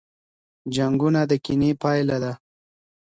جنګونه د کینې پایله ده.